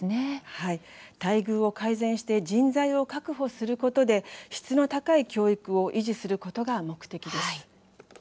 待遇を改善して人材を確保することで質の高い教育を維持することが目的です。